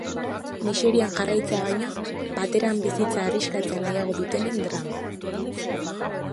Miserian jarraitzea baino, pateran bizitza arriskatzea nahiago dutenen drama.